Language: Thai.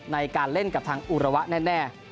ในการเล่นกับทางอุระวะแน่